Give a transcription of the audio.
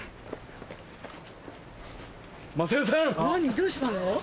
どうしたの？